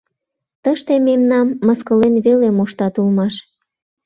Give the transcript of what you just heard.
Тыште мемнам мыскылен веле моштат улмаш.